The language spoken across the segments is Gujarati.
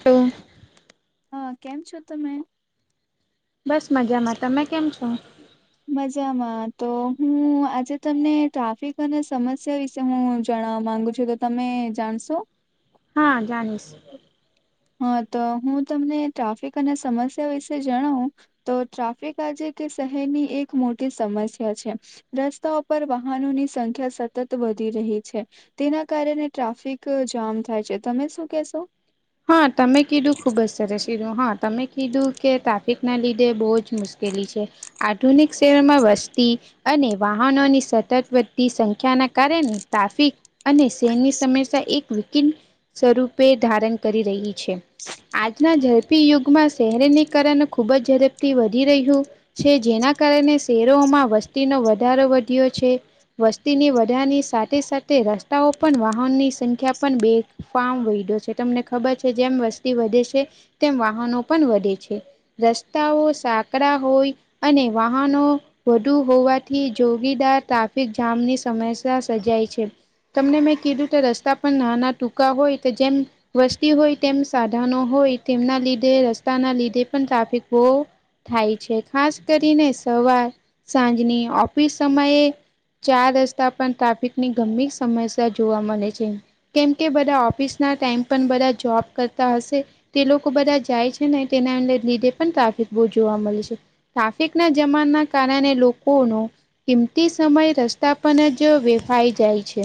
ટો હા, કેમ છો તમે? બસ મજામાં, તમે કેમ છો? મજામાં. તો હું આજે તમને ટ્રાફિક અને સમસ્યા વિ શે હું જાણવું માગું છું, તો તમે જાણશો? હા જાણીશ. હા, તો હું તમને ટ્રાફિક અને સમસ્યા વિશે જણાવું. તો ટ્રાફિક આજે કે શેહરની એક મોટી સમસ્યા છે. રસ્તાઓ પર વાહનોની સંખ્યા સતત વધી રહી છે. તેના કારણે ટ્રાફિક જામ થાય છે, તમે શું કેહશો? હા, તમે કીધું, ખૂબ જ સરસ કીધું હા. તમે કીધું કે ટ્રાફિકના લીધે બહુ જ મુશ્કેલી છે. આધુનિક સેવમાં વસ્તી અને વાહનોની સતત વધતી સંખ્યાના કારણે ટ્રાફિક અને શહેરની સમસ્યા એક વિકટ સ્વરૂપે ધારણ કરી રહી છે. આજના ઝડપી યુગમાં શહેરીકરણ ખૂબ જ ઝડપથી વધી રહ્યું. છે, જેના કારણે શહેરોમાં વસ્તીનો વધારો વધ્યો છે. વસ્તીના વધારા સાથે-સાથે રસ્તાઓ પણ વાહનની સંખ્યા પણ બે ફારમ વૈડો છે, તમને ખબર છે, જેમ વસ્તી વધે છે, તેમ વાહનો પણ વધે છે. રસ્તાઓ સાંકડા હોય અને વાહનો. વધુ હોવાથી, રોજિંદા ટ્રાફિક જામની સમસ્યા સર્જાય છે. તમને મેં કીધું કે, રસ્તા પણ નાના ટૂંકા હોય કે જેમ. વસ્તી હોય, તેમ સાધનો હોય, તેમના લીધે રસ્તાના લીધે, પણ ટ્રાફિક બહુ. થાય છે, ખાસ કરીને સવાર-સાંજની ઓફિસ સમયે. ચાર રસ્તા પર ટ્રાફિકની ગભી સમસ્યા જોવા મળે છે. કેમ કે બધા ઓફિસના ટાઈમમાં પણ બધા જોબ કરતા હશે. તે લોકો બધા જાય છે ને, તેના લીધે પણ ટ્રાફિક બહુ જોવા મળે છે. ટ્રાફિકના જામના કારણે લોકોનો. કિંમતી સમય રસ્તા પર જ વેડફાઈ જાય છે,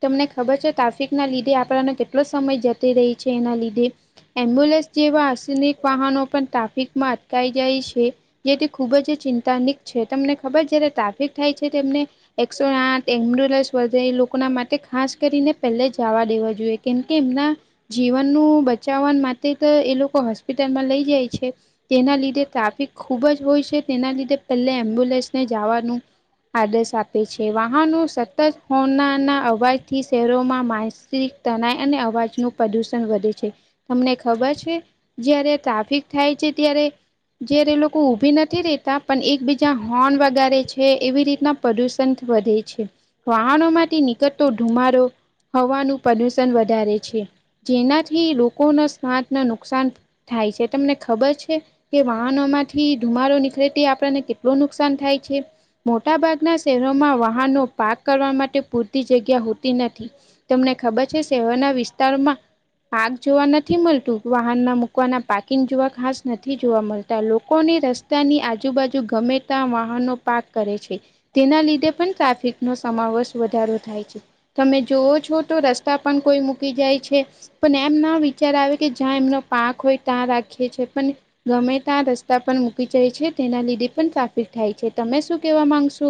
તમને ખબર છે, ટ્રાફિક. ના લીધે આપણો કેટલો સમય જતો રહે છે, એના લીધે. એમ્બ્યુલન્સ જેવા ઇમર્જન્સી વાહનો પણ ટ્રાફિકમાં અટવાઈ જાય છે. જેથી ખૂબ જ ચિંતાજનક છે, તમને ખબર, જ્યારે ટ્રાફિક થાય છે તેમને. એમ્બ્યુલન્સ આવે, એ લોકોના માટે ખાસ કરીને, પહેલા જવા દેવા જોઈએ કે. કે એમનું જીવન બચાવવા માટે તો, એ લોકોને હોસ્પિટલમાં લઈ જાય છે. તેના લીધે ટ્રાફિક ખૂબ જ હોય છે, તેના લીધે પહેલા એમ્બ્યુલન્સને જવા દો. આદર્શ આપે છે, વાહનો સતત હોર્નના અવાજથી શહેરોમાં મા તણાવ અને અવાજનું પ્રદૂષણ વધે છે. તમને ખબર છે, જ્યારે ટ્રાફિક થાય છે ત્યારે. જે લોકો ઊભા નથી રહેતા, પણ એકબીજાને હોર્ન વગેરે છે એવી રીતના. પ્રદૂષણ વધે છે, વાહનોમાંથી નીકળતો ધુમાડો હોવાનું પ્રદૂષણ. વધારે છે, જેનાથી લોકોના સ્વાસ્થ્યને નુકસાન. થાય છે, તમને ખબર છે. કે વાહનોમાંથી ધુમાડો નીકળે તે, આપણને કેટલું નુકસાન થાય છે. મોટા ભાગના શહેરોમાં વાહનો પાર્ક કરવા માટે પૂરતી જગ્યા હોતી નથી. તમને ખબર છે, શહેરના વિસ્તારમાં આગ જોવા નથી મળતું, વાહન મૂકવાના પાર્કિંગ જોવા ખાસ નથી મળતા, લોકોની રસ્તા પોતાની આજુબાજુ ગમે ત્યાં વાહનો પાર્ક કરે છે. તેના લીધે પણ ટ્રાફિકનો સમાવેશ વધારો થાય છે, તમે જોવો છો, તો રસ્તા. પણ કોઈ મૂકી જાય છે, પણ એમ ના. અત્યારે આવે કે, જ્યાં એમનો પાર્ક હોય ત્યાં રાખીએ છે, પણ ગમે ત્યાં રસ્તા પર મૂકી જાય છે, તેના લીધે પણ ટ્રાફિક થાય છે, તમે શું કહેવા માંગશો?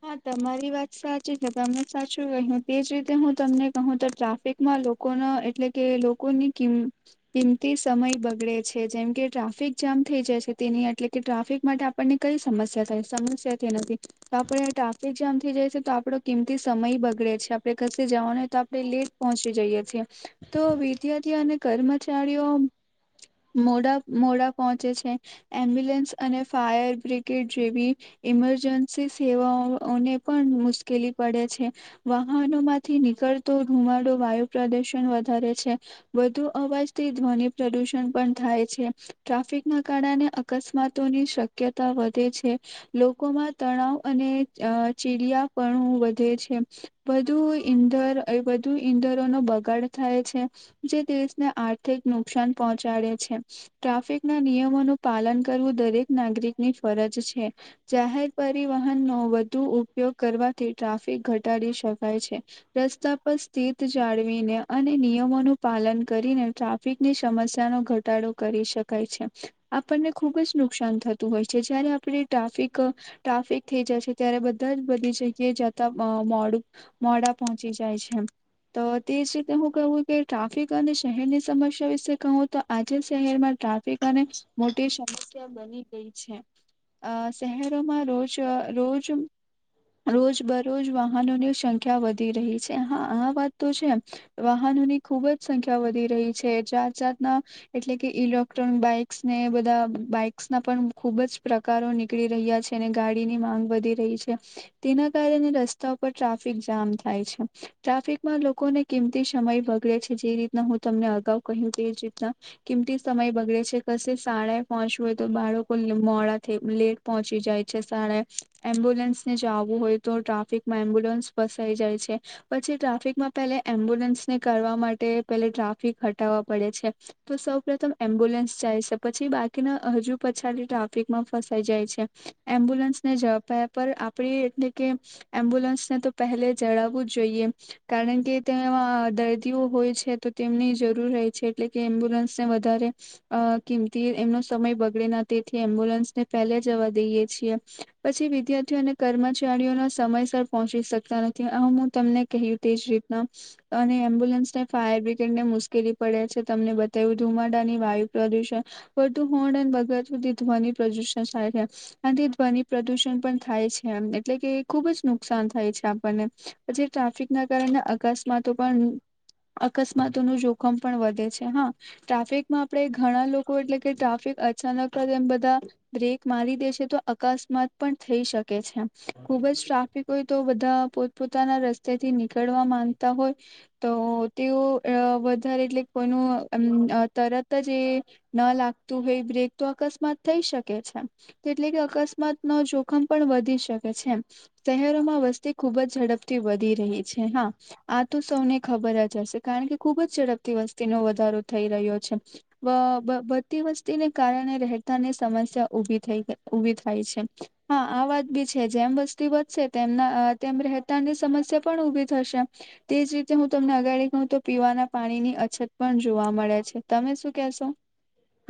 હા, તમારી વાત સાચી છે, તમે ને સાચું કહ્યું, એ જ રીતે હું તમને કહું તો ટ્રાફિક. માં લોકોના, એટલે કે લોકોની કિંમત કિંમતી સમય બગડે છે, જેમ કે ટ્રાફિક જામ થઈ જાય છે, તેના એટલે કે ટ્રાફિક માટે. પણની કઈ સમસ્યા થાય, સમસ્યા તે નથી. તો આપડે ટ્રાફિક જામ થથી જાય છે, તો આપડો કિમતી સમય બગડે છે, આપડે ક જવાનું તો. લેટ પહોંચી જઈએ છીએ તો, વિદ્યાર્થીઓ અને કર્મચારીઓ મોડા-મોડા પહોંચે છે. એમ્બ્યુલન્સ અને ફાયર બ્રિગેડ જેવી ઇમરજન્સી સેવાઓને પણ મુશ્કેલી પડે છે. વાહનો માંથી નીકળતો ધુમાડો વાયુ પ્રદુષણ વધારે છે. વધુ અવાજથી ધ્વનિ પ્રદુષણ પણ થાય છે. ટ્રાફિકના કારણે અકસ્માતોની શક્યતા વધે છે. લોકોમાં તણાવ અને અ ચીડિયાપણું વધે છે. વધુ ઇંધણ અને વધુ ઈંધણનો નું બગાડ થાય છે. જે દેશને આર્થિક નુકસાન પહોંચાડે છે. ટ્રાફિક ના નિયમોનું પાલન કરવું દરેક નાગરિકની ફરજ છે. જાહેર પરિવહનનો વધુ ઉપયોગ કરવાથી ટ્રાફિક ઘટાડી શકાય છે. રસ્તા પર સ્થિત જાળવીને અને નિયમોનું પાલન કરીને ટ્રાફિકની સમસ્યાનો ઘટાડો કરી છ શકાય છે. આપણને ખુબ જ નુકસાન થતું હોય છે. જયારે આપણે ટ્રાફિક ટ્રાફિક થઈ જાય છે. ત્યારે બધા જ બધી જગ્યાએ જતા મોડું મોડા પહોંચી જાય છે. તો તે જ રીતે હું કું કે ટ્રાફિક અને શહેરની સમસ્યા વિશે કહું તો આજે શહેરમાં ટ્રાફિક અને મોટી સમસ્યા બની ગઈ છે. અ શહેરોમાં રજ રોજ રોજબરોજ વાહનોની સંખ્યા વધી રહી છે. હ આ વાત તો છે. વાહનોની ખુબ જ સંખ્યા વધી રહી છે. જાત- જાતના એટલે કે ઇલેક્ટ્રોનિક બાઇક્સ ને બધા બાઈક્સ ના પણ ખુબ જ પ્રકારો નીકળી રહ્યા છે, અને ગાડી ની માંગ વધી રહી છે. તેના કારણે રસ્તા પર ટ્રાફિક જામ થાય છે. ટ્રાફિકમાં લોકોને કિમતી સમય બગડે છે. જે રીતના હું તમને અગાઉ કહ્યું તે જ રીતના કિમતી સમય બગડે છે. કશે શાળાએ પહોંચવું હોય તો બાળકો મોડા લેટ પહોંચી જાય છે શાળાએ એમ્બ્યુલન્સને જવું હોય તો ટ્રાફિકમાં એમ્બ્યુલન્સ ફસાઈ જાય છે. પછી ટ્રાફિકમાં પેલે એમ્બ્યુલન્સ ને કરવા માટે પેલે ટ્રાફિક હટાવવા પડે છે. તો સૌ પ્રથમ એમ્બ્યુલન્સ જાય છે, પછી બાકીના હજુ પછાડી ટ્રાફિકમાં ફસાઈ જાય છે. એમબુલેન્સને જવાપ આપડી એટલે કે એમ્બ્યુલન્સને તો પહેલે જડાવવું જ જોઈએ કારણ કે તેમાં દર્દીઓ હોય છે. તો તેમની જરૂર રહે છે, એટલે કે એમ્બ્યુલન્સને વધારે અ કિમતી એમનો સમય બગડે ના તેથી એમ્બ્યુલન્સ ને પેલા જવા દઈએ છીએ, પછી ધ્યારથી અને કર્મચારીઓના સમયસર પહોંચી શકતા નથી આ તમને કહ્યું તેજ રીતના અને એમ્બ્યુલન્સ ને ફાયર બ્રિગેડ ને મુશ્કેલી પડે છે. તમને બતાવ્યું ધુમાડાની વાયુ પ્રદુષણ વધુ હોણન બગર સુધી ધ્વનિ પ્રદૂષણ થાય છે અને તે ધ્વનિ પ્રદૂષણ પણ થાય છે એમ એટલે કે ખુબ જ નુકસાન થાય છે આપણને પછી ટ્રાફિક ના કારણે અ કસ્માતો પણ અકસ્માતો નું જોખમ પણ વધે છે. હા ટ્રાફિકમાં આપણે ઘણા લોકો એટલે કે ટ્રાફિક અચાનક એમ બધા બ્રેક મારી દે છે તો અકસ્માત પણ થઈ શકે છે. ખુબ જ ટ્રાફિક હોય તો બધા પોતપોતાના રસ તા થી નીકળવા માંગતા હોય તો તેઓ વધારે એટલે કોઈનું તરત જ એ ના લાગતું હોય બ્રેક તો અકસ્માત થઈ શકે છે. એટલે કે અકસ્માત નો જો જોખમ પણ વધી શકે છે. શહેરોમાં વસ્તી ખુબ જ ઝડપથી વધી રહી છે. હા આ તો સૌને ખબર જ હશે કારણ કે ખુબ જ ઝડપથી વસ્તીનો વધારો થઈ રહ્યો છે. બ બ બધતી વસ્તીને કારણે રહેતા ની સમસ્યા ઉભી થઈ ગઈ ઉભી થાય છે હા આ વાત બી છે જેમ તી વધશે તેમના તેમ રહેતાની સમસ્યા પણ ઉભી થશે. તેજ રીતે હું તમને અગાળ કહું તો પીવાના પાણી ની અછત પણ જોવા મળે છે તમે શું કેહેશો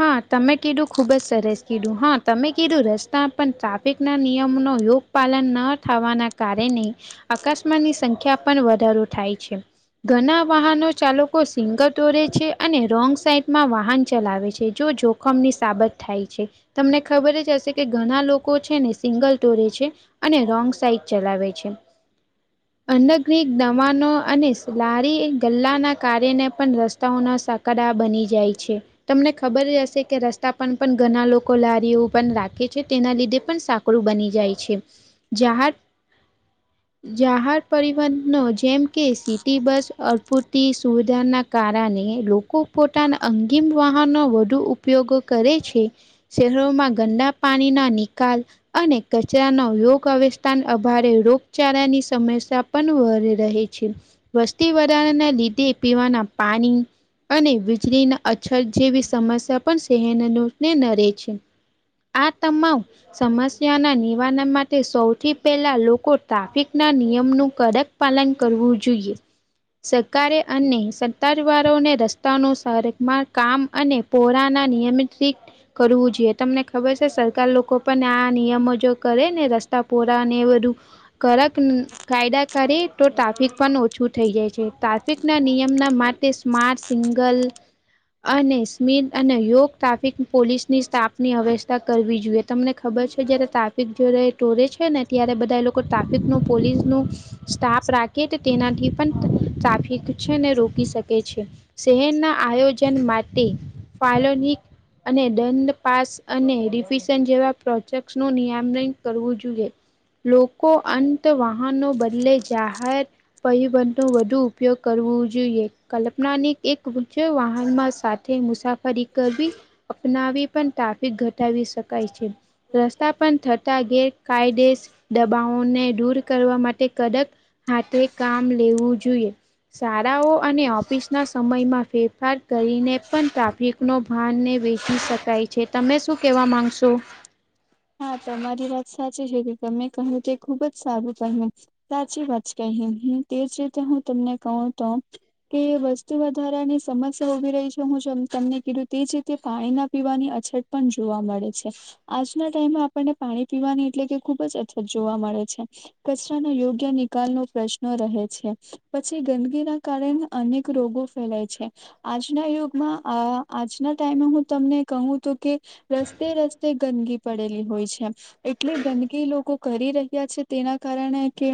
હા તમે કીધું ખુબ જ સરસ કીધું હા તમે કીધું રસ્તા પણ્રાફ પેટ ના નિયમો ન યોગ પાલન ન થવાના કારણે અકસ્માની સંખ્યા પણ વધારો થાય છે. ઘણા વાહનો ચાલકો સિંગર દોરે છે અને રોંગ સાઈડમાં વાહન ચલાવે છે જો જો જોખમની સાબત થાય છે તમને ખબર જ હશે કે ઘણા લોકો કો છે ને સિંગલ તોરે છે અને રોંગ સાઈડ ચલાવે છે. અંદ ગ્ર્રીક દ હવાનો અને લારી ગલ્લાના કારણે પણ રસ્તાઓના સાકડા બની જાય છે. તમને ખબર હશે કે રસ્તા પર પણ ઘણા લોકો લારીઓ પણ રાખે છે તેના લીધે પણ સાંકળું બની જાય છે જહ [unintelligible] જાહર પરિવહનો જેમ કે સિટી બસ અડપૂરતી સુવિધાના કારણે લોકો ખુબ પોતાના અંગીમ વાહનનો વધુ ઉપયોગ કરે છે. શહેરોમાં ગંદા પાણી ના નિકાલ અને કચરાનો યોગ અવસ્થા અભારે રોગચાળાની સમસ્યા પણ વ રહે છે. વસ્તી વધારાના લીધે પીવાના પાણી અને વીજળી ના અછત જેવી સમસ્યા પણ શહેનને નરે છે. આ તમામ સમસ્યાના નિવારણમાં. તે સૌથી પહેલા લોકો ટ્રાફિકના નિયમનું કડક પાલન કરવું જોઈએ. સરકારે અને સતાવારોને રસ્તાનુંમાં કામ અને પોરાના નિયમિતિત કરવું જોઈએ તમને ખબર છે સરકાર લોકો પણ આ નિયમો જો કરે ને રસ્તા પોરાને એ બધું. કરડક કાયદાકારી ટોટ ટ્રાફિક પણ ઓછું થઈ જાય છે ટ્રાફિક ના નિયમના માટે સ્માર્ટ સિંગલ અને સ્મિત અને યોગ ટ્રાફિક પોલીસની સ્ટાફની અવ્યસ્થા કરવી જોઈએ. તમને ખબર છે જય્યારે ટ્રાફિક જ્યારે ટોરે છે ને ત્યારે બધા એ લોકો ટ્રાફિકનું પોલીસનું. સ્થાપ રાખે તો તેનાથી પણ સાફિક છે ને રોકી શકે છે. શહેરના આયોજન માટે ફલોનિક અને દંડ પાસ અને રિફિશન જેવા પ્રોજેક્ટસનું નિયમન કરવું જોઈએ. લોકો અંત વાહનો બદલે જાહેર. પરબંધ નો વધુ ઉપયોગ કરવો જોઈએ કલ્પનાની એક ઉચ વાહનમાં મુસાફરી કરવી અપનાવી પણ ટ્રાફિક ઘટાવી શકાય છે. રસ્તા પણ થતા ગેરકાયદેસ દબાવોને દૂર કરવા માટે કદક હાથે કામ લેવું જોઈએ. શાળાઓ અને ઓફિસના સમયમાં ફેરફાર કરીને પણ ટ્રાફિક નો ભાન ને વેચી શકાય છે તમે શું કેવા માંગશો. હા તમારી વાત સાચી છે કે તમે કહ્યું તે ખુબ જ સારું તમે સાચી વાત કહી નહી તેજ રીતે હું તમને કહું તો કે વસ્તુ વધારાની સમસ્યા ઉભી રહી છે હું જે તમને કીધું તે જ રીતે પાણી ના પીવાની અછત પણ જોવા મળે છે આશુ. ના ટાઈમમાં આપણને પાણી પીવાની એટલે કે ખુબ જ અછત જોવા મળે છે. કચરાનો યોગ્ય નિકાલ નુ પ્રશ્ન રહે છે. પછી ગંદકી ના કારણે અનેક રોગો ફેલાય છે, આજના યુગમાં આ આજના ટાઈમે, હું તમને કહું તું કે, રસ્તે-રસ્તે ગંદગી પડેલી હોય છે, એટલે ગંદકી લોકો કરી રહ્યા છે, તેના કારણે કે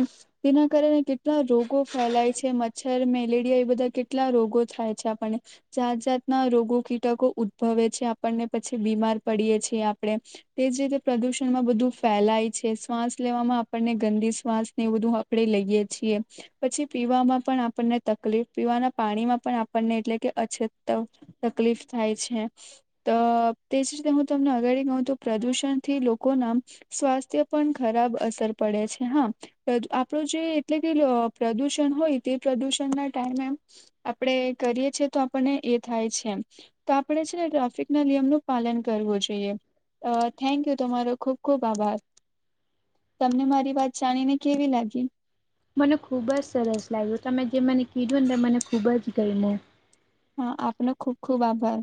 તેના કારણે કેટલા રોગો ફેલાય છે, મચ્છર, મેલેરિયા એ બધા કેટલા રોગો થાય છે આપને. જાત-જાતના રોગો કીટકો ઉદ્ભવે છે, આપણને પછી બીમાર પડીએ છીએ આપણે. એજ રીતે પ્રદુષણ માં બધું ફેલાય છે, શ્વાસ લેવામાં આપણને ગંદી શ્વાસ ને એ બધું કડે લઈએ છીએ. પછી પીવામાં પણ આપણને તકલીફ, પીવાના પાણીમાં પણ આપણને, એટલે કે અછત. તકલીફ થાય છે, તો તેજ રીતે હું તમને અગાડી ગ પ્રદૂષણ થી લોકો ના સ્વાસ્થ્ય પણ ખરાબ અસર પડે છે, હા. આપણું જે એટલે કે પ્રદુષણ હોય તે, પ્રદુષણ ના ટાઈમે એમ. આપણેે કરીએ છી તો, આપણને એ થાય છે, એમ તો. આપણેે છે ને, ટ્રાફિક ના નિયમ નું પાલન કરવું જોઈએ. અ થેન્ક યુ, તમારો ખુબ ખુબ આભાર. તમને મારી વાત જાણી ને, કેવી લાગી. મને ખુબ જ સરસ લાગ્યું, તમે જે મને કીધું ને, તે મને ખુબ જ ગયું. હા, આપનો ખુબ ખુબ આભાર.